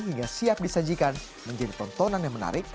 hingga siap disajikan menjadi tontonan yang menarik